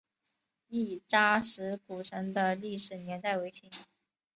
亦扎石古城的历史年代为清。